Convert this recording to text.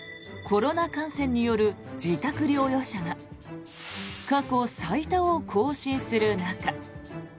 コロナ感染による自宅療養者が過去最多を更新する中。